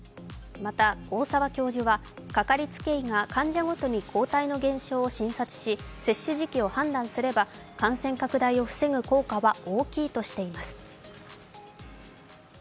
また、大澤教授はかかりつけ医が患者ごとに抗体の減少を診察し、接種時期を判断すれば感染拡大を防ぐ効果は大きいとしています。